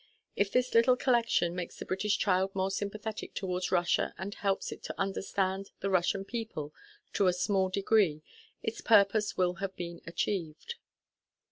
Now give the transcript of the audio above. If this little collection makes the British child more sympathetic towards Russia and helps it to understand the Russian people to a small degree its purpose will have been achieved.